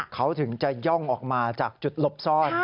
เขาถึงจะย่องออกมาจากจุดหลบซ่อน